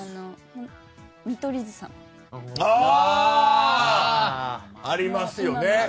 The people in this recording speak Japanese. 見取り図さん。ありますよね。